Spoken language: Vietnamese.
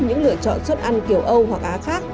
những lựa chọn xuất ăn kiểu âu hoặc á khác